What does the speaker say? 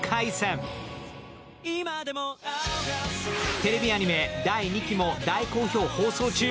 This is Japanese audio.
テレビアニメ第２期も大好評放送中。